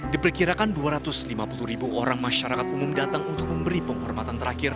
diperkirakan dua ratus lima puluh ribu orang masyarakat umum datang untuk memberi penghormatan terakhir